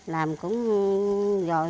làm cũng rồi